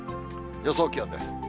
予想気温です。